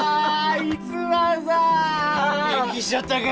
元気しちょったか？